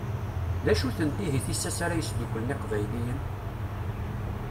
D acu-tent ihi tissas ara yesdukklen Iqbayliyen?